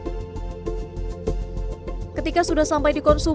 ketika sudah sampai dikonsumsi limba padat akan dikonsumsi